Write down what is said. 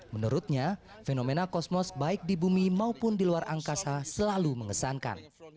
menurutnya fenomena kosmos baik di bumi maupun di luar angkasa selalu mengesankan